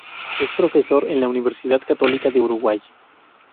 Es profesor en la Universidad Católica del Uruguay.